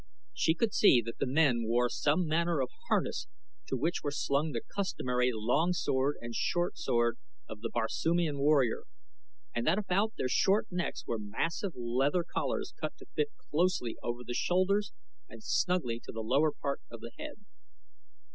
She could see that the men wore some manner of harness to which were slung the customary long sword and short sword of the Barsoomian warrior, and that about their short necks were massive leather collars cut to fit closely over the shoulders and snugly to the lower part of the head.